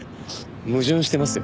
矛盾してますよ。